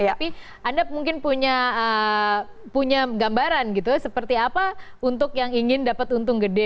tapi anda mungkin punya gambaran gitu seperti apa untuk yang ingin dapat untung gede